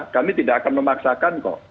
kami tidak akan memaksakan kok